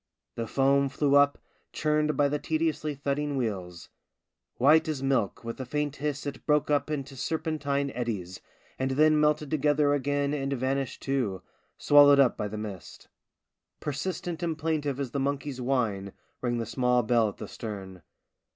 The foam flew up, churned by the tediously thudding wheels ; white as milk, with a faint hiss it broke up into serpentine eddies, and then melted together again and vanished too, swallowed up by the mist. Persistent and plaintive as the monkey's whine rang the small bell at the stern.